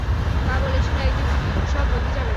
মা বলেছিল একদিন সব বদলে যাবে।